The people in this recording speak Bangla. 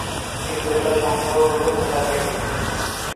কিন্তু এটা সংগ্রহ হল কোথা থেকে।